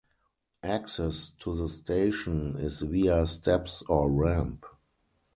Access to the station is via steps or ramp.